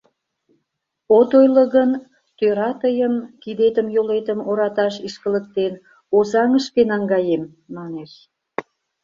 От ойло гын, тӧра тыйым, кидетым-йолетым ораташ ишкылыктен, Озаҥышке наҥгаем, манеш.